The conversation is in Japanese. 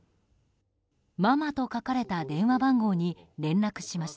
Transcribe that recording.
「ＭＡＭＡ」と書かれた電話番号に連絡しました。